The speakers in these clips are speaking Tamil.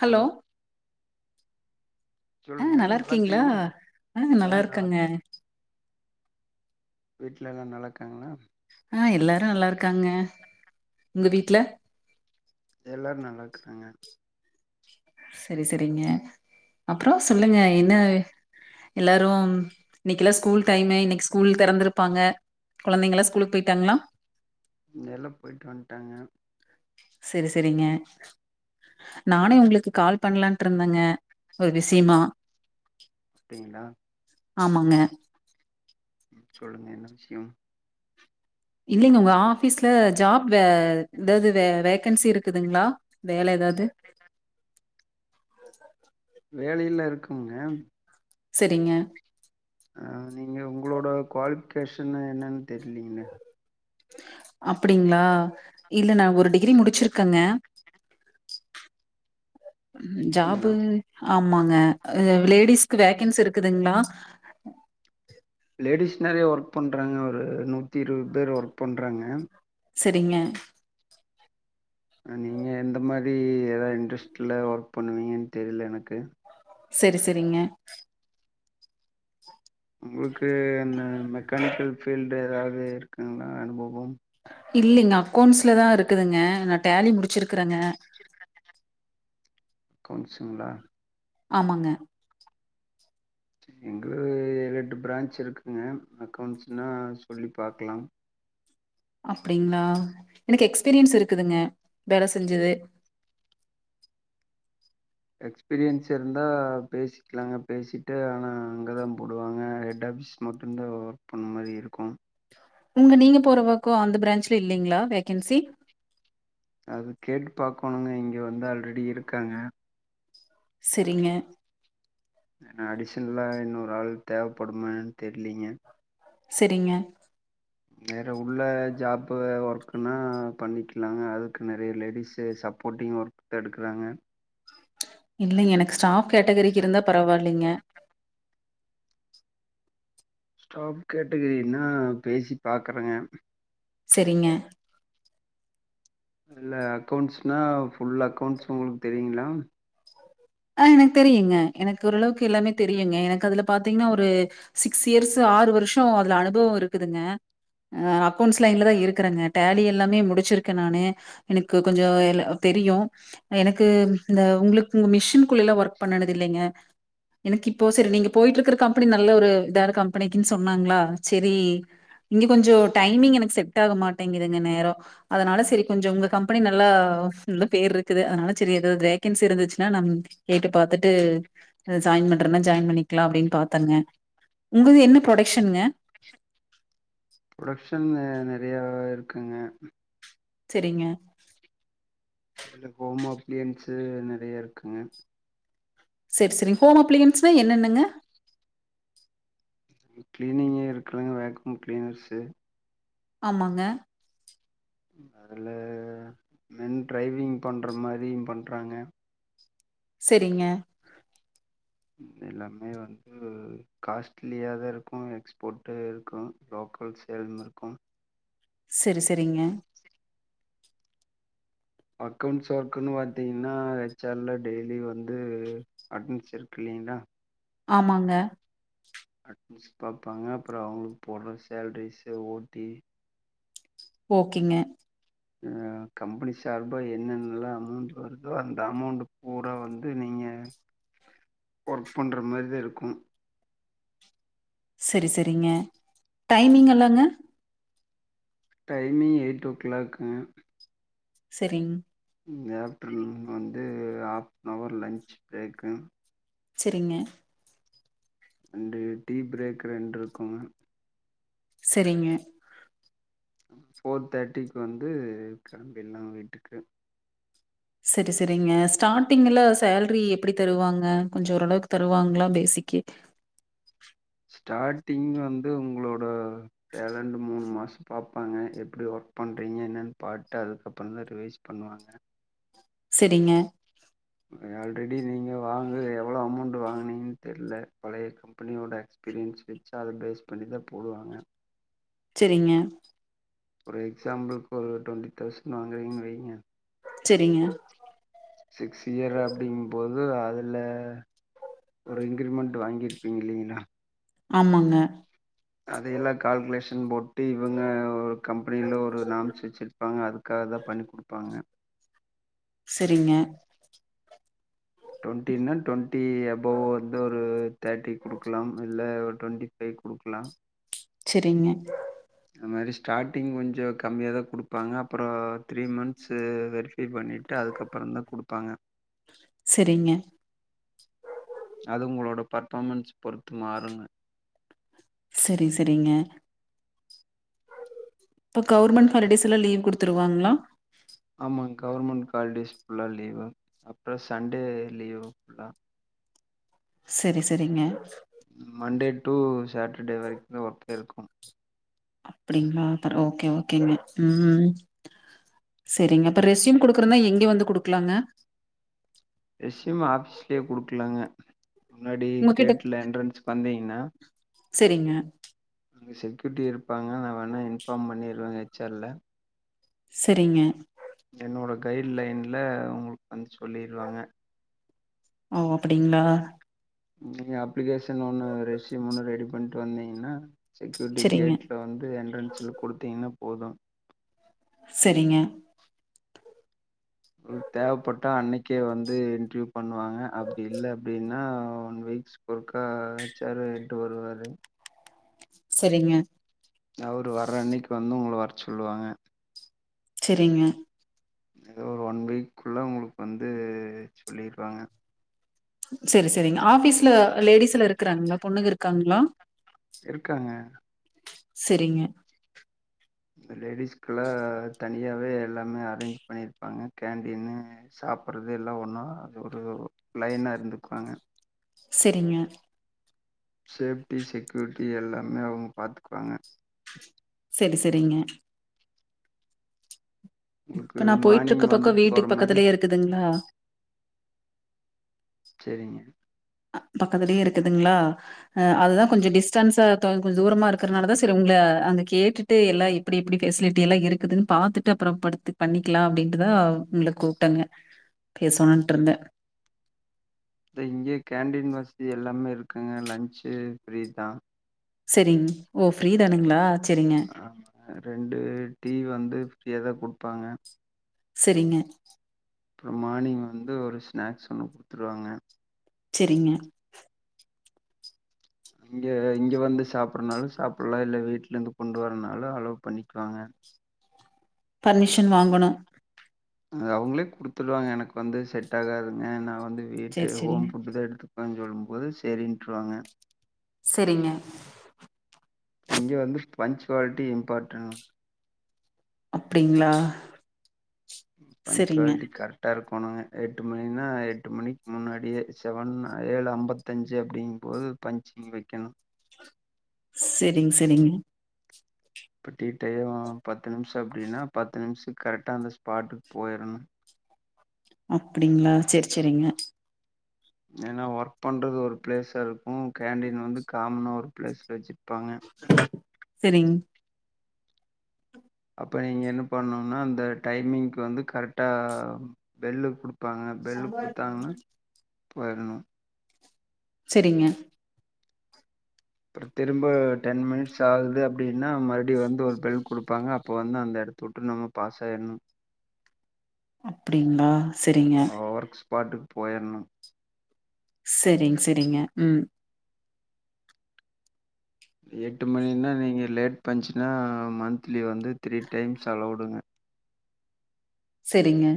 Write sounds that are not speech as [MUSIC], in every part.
ஹலோ ஆஹ் சொல்லுங்க நல்லா இருக்கீங்களா இருக்கிறீங்களா ஆஹ் நல்லா இருக்கேங்க வீட்டல எல்லா நல்லா இருக்காங்களா ஆஹ் எல்லாரும் நல்லா இருக்காங்க உங்க வீட்ல எல்லாரும் நல்லா இருக்கறாங்க செரி செரிங்க அப்புறம் சொல்லுங்க என்ன எல்லாரும் இன்னைக்கெல்லா ஸ்கூல் டைமு இன்னைக்கு ஸ்கூல் தெறந்திருப்பாங்க கொழந்தைங்கலா ஸ்கூலுக்கு போயிட்டாங்களா எல்லா போயிட்டு வந்துட்டாங்க செரி செரிங்க நானே உங்களுக்கு கால் பண்ணலான்ட்டு இருந்தேங்க ஒரு விஷயமா அப்டீங்களா ஆமாங்க உம் சொல்லுங்க என்ன விஷயம் இல்லைங்க உங்க ஆபீஸ்ல ஜாப் வே ஏதாவது வே வேக்கன்சி இருக்குதுங்களா வேல ஏதாவது வேலைலா இருக்கும்ங்க செரிங்க ஆ நீங்கள் உங்களோட குவாலிஃபிகேஷன்னு என்னன்னு தெரியலீங்களே அப்படிங்களா இல்ல நான் ஒரு டிகிரி முடிச்சிருக்கங்க உம் டிகிரிங்களா ஜாபூ ஆ ஆமாங்க லேடிஸ்க்கு வேகன்ஸ்சி இருக்குதுங்களா லேடிஸ் நெறைய ஒர்க் பண்றாங்க ஒரு நூத்தி இருபது பேர் ஒர்க் பண்றாங்க செரிங்க நீங்க எந்த மாதிரி ஏதாவது இன்ரெஸ்ட்ல ஒர்க் பண்ணுவீங்கன்னு தெரியல எனக்கு செரி செரிங்க உங்களுக்கு க்கு என்ன மெக்கானிக்கல் ஃபீல்டு எதாவது இருக்குங்களா அனுபவம் இல்லைங்க அக்கௌன்ஸ்லதா இருக்குதுங்க நட் ஃடேலி முடிச்சுருக்குறங்க கவுன்சுங்களா ஆமாங்க எங்கள ஏழு எட்டு ப்ரான்ச் இருக்குங்க அக்கௌன்ஸ்ன்னா சொல்லி பாக்கலாம் அப்டிங்களா எனக்கு எக்ஸ்பீரியன்ஸ் இருக்குதுங்க வேல செஞ்சது எக்ஸ்பீரியன்ஸ் இருந்தா பேசிக்கலாங்க பேசிட்டு ஆனா அங்கதா போடுவாங்க ஹெட் ஆபீஸ் மட்டும்தா ஒர்க் பண்ண மாரி இருக்கும் உங்க நீங்க போறவக்கு அந்த ப்ரான்ச்ஜல இல்லைங்களா ஃவேகன்சி அது கேட்டு பாக்கணுங்க இங்க வந்து ஆல்ரெடி இருக்காங்க செரிங்க அடிஷினலா இன்னொரு ஆள் தேவைப்படுமா எண்ண னுதெரியலீங்க செரிங்க வேற உள்ள ஜாப் ஒர்க்கன்னா பண்ணிக்கலாங்க அதுக்கு நெறையா லேடிஸு சப்போர்ட்டிங் ஒர்க் எடுக்குறாங்க இல்லைங்க எனக்கு ஸ்டாப் கேட்டகிரிக்கு இருந்தா பரவாயில்லைங்க ஸ்டாப் கேட்டகிரனா பேசி பாக்குறேங்க செரிங்க இல் அக்கௌண்ட்ஸ்னா ஃபுல் அக்கௌண்ட்ஸ் உங்களுக்கு தெரியுங்களா ஆ எனக்கு தெரியுங்க எனக்கு ஓரளவுக்கு எல்லாமே தெரியுங்க எனக்கு அதுல பாத்தீங்கன்னா ஒரு சிக்ஸ் இயர்ஸ் ஆறு வருஷோ அதுல அனுபவோ இருக்குதுங்க அக்கவுன்ஸ் லைன்லதா இருக்குறேங்க ஃடேலி எல்லாமே முடிச்சிருக்கே நானு எனக்கு கொஞ்சோ தெரியும் எனக்கு இந்த உங்களுக்கு உ மிஷின் குல்ல ஒர்க் பண்ணது இல்லைங்க எனக்கு இப்போ செரி நீங்க போயிட்டு இருக்குற கம்பெனி நல்ல ஒரு இதாவது கம்பெனிக்குன்னு சொன்னாங்களா சரி இங்க கொஞ்சம் டைமிங் எனக்கு செட் ஆக மாட்டேங்குதுங்க நேரோ அதனால சரி கொஞ்சம் உங்க கம்பெனி நல்லா நல்ல பேர் இருக்குது அதனால சரிது வேகன்சி இருந்துச்சுன்னா நம் கேட்டு பாத்துட்டு ஜாயின் பண்றேன்னா ஜாயின் பண்ணிக்கலா அப்டின்னு பாத்தங்க உங்கது என்ன ப்ரொடகஷன்ங்க புரொடக்ஷன் நெ நெறையா இருக்குங்க செரிங்க அதுல ஹோம் அப்ளியன்சு நெறைய இருக்குங்க சரி சரி ஹோம் அப்ளன்ஸ்னா என்னன்னங்க கிளீனிங்கே இருக்குலங்க ஃவேக்கம் கிளீனனர்ஸு ஆமாங்க அதுல மென் டரைவிங் பண்ற மாரியு பண்றாங்க செரிங்க எல்லாமே வந்து காஸ்ட்லியாதா இருக்கும் எக்ஸ்போர்ட்டு இருக்கும் லோக்கல் சேலும் இருக்கும் செரி செரிங்க அக்கவுன்ஸ் ஒர்க்கன்னு பாத்தீங்கன்னா எச் ஆர்ல டெய்லியு வந்து அட்டன்ஸ் இருக்கு இல்லங்களா ஆமாங்க அட்னன்ஸ் பாப்பாங்க அப்பறோ அவுங்களுக்கு போட்ற சேலரிஸ் ஓட்டி போகிங்க அ கம்பெனி சார்பா என்னன்னல்லா அமௌண்ட் வருதோ அந்த அமௌண்ட் பூரா வந்து நீங்க ஒர்க் பண்ற மாதிரிதா இருக்கும் செரி செரிங்க டைமிங் எல்லாங்க டைமிங் எயிட் ஓ ஃக்ளாக்கு செரிங் இந்த ஆஃப்டர்நூன் வந்து ஆஹாஃப் நவரு லன்ச் ப்ரேக்கு செரிங்க அண்டு டீ ப்ரேக் ரெண்டுருக்குங்க செரிங்க ஃபோர் தேர்ட்டிக்கு வந்து கெளம்பிர்லா வீட்டுக்கு செரி செரிங்க ஸ்டார்டிங்ல சேலரி எப்புடி தருவாங்க கொஞ்சோ ஓரளவுக்கு தருவாங்களா ஃபேசிக்கே ஸ்டார்ட்டிங் வந்து உங்களோட டேலண்ட் மூணு மாஸ் பாப்பாங்க எப்டி ஒர்க் பண்ணுறீங்க என்னன்னு பாட்டு அதுக்கப்பறோ தா ரிவைஸ் பண்ணுவாங்க செரிங்க ஆல்ரெடி நீங்க வாங்கது எவ்வளோ அமௌண்ட் வாங்கனீங்கன் தெர்ல பழைய கம்பெனியோட எக்ஸ்பீரியன்ஸ் வெச்சு அத பேஸ் பண்ணிதா போடுவாங்க செரிங்க ஒரு எக்ஸாம்பிள்க்குக்கு ஒரு ட்வெண்ட்டி தௌசண் வாங்குறீங் வைங்க சரிங்க. சிக்ஸ் இயரு அப்டிங்கும்போது அதுல ஒரு இன்க்ரிமெண்ட் வாங்கிருப்பீங்க இல்லிங்கிளா ஆமாங்க அது எல்லா கால்க்குலேஷன் [UNINTELLIGIBLE] விட்டு இவங்க ஒரு கம்பெனியில ஒரு நாம்ஸு வச்சிருப்பாங்க அதுக்காக தா பண்ணி குடுப்பாங்க செரிங்க ட்வெண்ட்டினா ட்வெண்ட்டி அபொவ் வந்து ஒரு தேட்டி குடுக்கலாம் இல்ல ட்வெண்டி ஃபை குடுக்கலா செரிங்க அந்த மாரி ஸ்டாட்டிங் கொஞ்சொ கம்மியா தா குடுப்பாங்க அப்றோ த்ரீ மந்த்ஸு வெரிஃபை பண்ணிட்டு அதுக்கப்பறந்தா குடுப்பாங்க சரிங்க. அது உங்ளோட பர்ஃபாமன்ஸ் பொறுத்து மாறுங்க செரி செரிங்க இப்ப கவுர்மெண்ட் ஹாலிடேஸ்லா லீவ் குடுத்துருவாங்ளா ஆமாங் கவர்மெண்ட் காலிடேஸ் ஃபுல்லா லீவு அப்றோ சண்டே லீவு ஃபுல்லா செரி செரிங்க மண்டே டு சேட்டர்டே வரைக்கு ஒர்க் இருக்கு அப்படிங்ளா ஓகே ஓகேங்க உம் செரிங்க அப்ப ரெஸ்யூம் குடுக்குறந்தா எங்க வந்து குடுக்கலாங்க ரெஸ்யும் ஆபீஸ்ல்யே குடுக்கலாங்க முன்னாடி உங்ககிட்ட கேட்ல என்ட்ரென்ஸ் வந்தீங்ன்னா செரிங்க அங்கே செக்யூர்ட்டி இருப்பாங்க நா வேணா இன்ஃபாம் பண்ணிர்றே எச் ஆர் ல செரிங்க என்னோட கைட் லைன்ல உங்களுக்கு வந்து சொல்லிர்வாங்க ஓ அப்டிங்ளா நீங்க அப்ளிகேஷன் ஒண்ணு ரெஸும் ஒன்னு ரெடி பண்ணிட் வந்தீங்னா செக்யூரிட்டி சரிங்க கேட்ல வந்து என்ட்ரன்ஸல குடுத்தீங்னா போது செரிங்க ம் தேவப்பட்டா அன்னைக்கே வந்து இன்டர்வியூ பண்ணுவாங்க அப்டி இல்ல அப்டீனா ஒன் வீக்ஸ் ஒறுக்கா ஹச்ஆரு என்ட வருவாரு செரிங்க அவரு வர அன்னைக்கு வந்து உங்கள வரச் சொல்லுவாங்க செரிங்க ஏதோ ஒன் வீக் குள்ள உங்குளுக்கு வந்து ஆ சொல்லிருவாங்க செரி செரிங்க ஆஃபீஸ்ல லேடிஸ்ல இருக்குறாங்ளா பொண்ணுங்க இரு க்காங்ளா இருக்காங்க செரிங்க இந்த லேடிஸ்கெல்லா தனியாவே எல்லாமே அரேஞ்ச் பண்ணிருப்பாங்க கேண்டீனு சாப்படுறது எல்லாம் ஒன்னா அது ஒரு லைனா இருந்துக்குவாங்க செரிங்க சேப்டி செக்யூரிட்டி எல்லாமே அவங்க பாத்துக்குவாங்க செரி செரிங்க உங்களுக்கு இப்ப நா மார்னிங் போயிட்ருக்க பக்கம் வந்துட்டு போற வீட்டுக் மாரி பக்கத்துலேயே இருக்குதுங்களா செரிங்க பக்கத்துலேயே இருக்குதுங்களா அஹ் அதா கொஞ்ச டிஸ்டன்ஸ க்கு கொஞ்ச தூரமா இருக்கறனாலதா சரி உங்களை அங்க கேட்டுட்டு எல்லா எப்படி எப்டி பெபசிலிட்டி எல்லா இருக்குதுன்னு பாத்துட்டு அப்பற படுத்து பண்ணிக்கலா அப்படின்ட்டுதா உங்களை கூப்பிட்டங்க பேசணும்ட்டு இருந்தே இங்கே கேண்டீன் வசதி எல்லாமே இரு இருக்குங்க லன்சு ஃப்ரீ தா செரிங் ஓ ஃப்ரீ தானுங்களா சரிங்க ரெண்டு டீ வந்து ஃப்ரீயாவே குடுப்பாங்க செரிங்க அப்பற மார்னிங் வந்து ஒரு ஸ்நாக்ஸ் ஒண்ணு குடுத்துருவாங்க செரிங்க இங்க இங்க வந்து சாப்றதுனாலு சாப்டலா இல்ல வீட்டுல இருந்து கொண்டு வரதுனாலும் அலவு பண்ணிக்குவாங்க ஃபர்மிஷன் வாங்கணு அது அவங்களே குடுத்துறாங்க எனக்கு வந்து செட் ஆகாதுங்க நா வந்து வீட்டு சேரி சேரிங் ஹோம் ஃபுட்டு தா எடுத்து அ சொல்லும்போது செரின்னுட்டுருவாங்க செரிங்க இங்க வந்து பன்ச்வாலிட்டி இம்பார்ட்ட அப்டிங்களா செரிங்க பன்ச்சுவாலிட்டி கரெக்டா இருக்கு போனாங்க எட்டு மணின்னா எட்டு மணிக்கு முன்னாடியே செவன் ஏழு ஐம்பத்தஞ்சு அப்படிங்கும்போது பன்ச்சிங் வைக்கணு செரிங்க செரிங்க பட்டிட்டய பத்து நிமிஷம் அப்படின்னா பத்து நிமிஷத்துக்கு கரெக்டா அந்த ஸ்பாட்டுக்கு போயிறன்னு அப்படிங்களா செரி செரிங்க ஏன்னா ஒர்க் பண்றது ஒரு பிளேஸா இருக்கும் கேண்டீன் வந்து காமனா ஒரு பிளேஸ்ல வச் ச்சுபாங்க செரிங் அப்ப நீங்க என்ன பண்ணும்னா அந்த டைமிங்கு வந்து கரெக்டா பெல்லு கொடு குடுப்பாங்க பெல்லு குடுத்தாங்கனா போய்டணு செரிங்க திரும்ப டென் மினிட்ஸ் ஆகுது அப்டின்னா மறுபடி வந்து ஒரு பெல் குடுப்பாங்க அப்ப வந்து அந்த இடத்த விட்டு நம்ம பாஸ் ஆயிணு அப்படிங்களா செரிங்க பாட்டுக்கு போய்னு செரிங்க செரிங்க உம் எட்டு மணின்னா நீங்க லேட் பஞ்ச்சுன்னா மந்த்த்லி வந்து த்ரீ டைம்ஸ் அல்லோடுங்க சரிங்க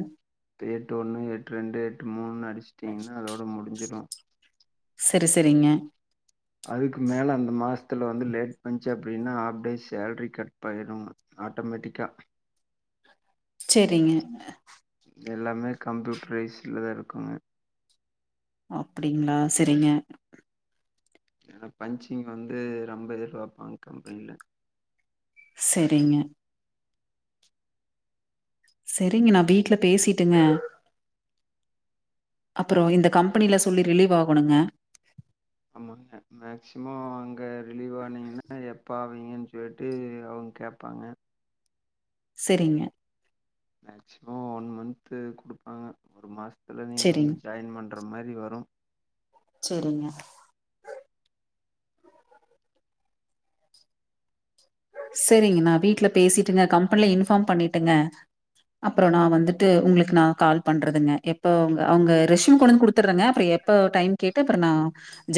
எட்டு ஒன்னு எட்டு ரெண்டு எட்டு மூன்னு முடிஸ்ட்டீங்கன்னா அதோட முடுஞ்சிடும் சரி சரிங்க அதுக்கு மேல அந்த மாசத்துல வந்து லேட் பஞ்ச்சு அப்டின்னா ஆஃப் டே சேலரி கட் பண்ணிடும்ங்க ஆட்டோமேட்டிக்கா செரிங்க எல்லாமே கம்ப்யூட்டரைஸ்ட் தான் இருக்குங்க அப்டிங்களா சரிங்க ஏன்னா பஞ்சிங் வந்து ரொம்ப எதிர்பாப்பாங்க கம்பனில சரிங்க செரிங்க நான் வீட்ல பேசிட்டுங்க அப்புறம் இந்த கம்பெனில சொல்லி ரிலீவ் ஆகணுங்க ஆமாங்க மேக்சிமம் அங்க ரிலீவ் ஆனீங்கன்னா எப்ப ஆவீங்கன்னு சொல்லிட்டு அவ்ங்க கேப்பாங்க செரிங்க மேக்சிமம் ஒன் மன்து குடுப்பாங்க ஒரு மாச த்துல நீங்க வந்து செரிங் ஜாய்ன் பண் ற மாரி வரும் செரிங்க செரிங்க நான் வீட்ல பேசிட்டுங்க கம்பெனில இன்ஃபார்ம் பண்ணிட்டுங்க அப்புறம் நான் வந்துட்டு உங்களுக்கு நான் கால் பண்றதுங்க எப்ப உங்க அவுங்க ரெஷ்யூம் கொண்டுந்து குடுத்தற்றங்க அப்புறம் எப்ப டைம் கேட்டு அப்புறம் நான்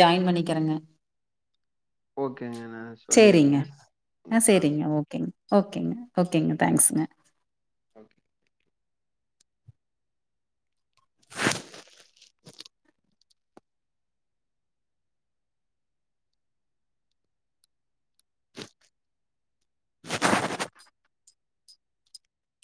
ஜாய்ன் பண்ணிக்கறங்க ஓகேங்க நான் சொல்லிறேங்க ம் ஆஹ் வாங்க சேரிங்க ஓகேங்க ஓகேங்க ஓகேங்க தங்க் ஸ்ங்க ஓகே